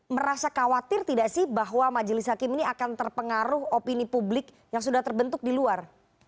merasa khawatir tidak sih bahwa majelis hakim ini akan terpengaruh opini publik yang sudah terbentuk di luar